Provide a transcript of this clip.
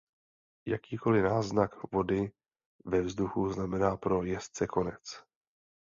Jakýkoli náznak vody ve vzduchu znamená pro jezdce konec.